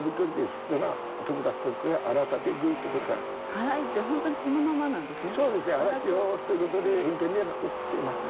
荒いって本当にそのままなんですね。